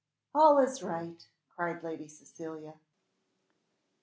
"All is right!" cried Lady Cecilia.